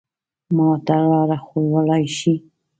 ما ته لاره ښوولای شې؟